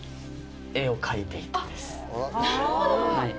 なるほど。